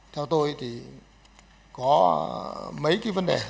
theo tôi thì có mấy cái vấn đề